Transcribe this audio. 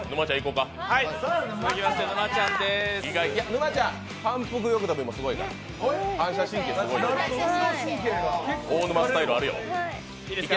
沼ちゃん反復横跳びもすごいから反射神経すごいから、大沼スタイルあるよ。